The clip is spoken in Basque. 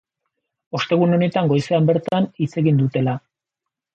Ostegun honetan goizean bertan hitzegin dutela.